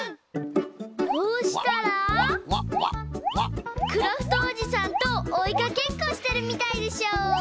こうしたらクラフトおじさんとおいかけっこしてるみたいでしょ。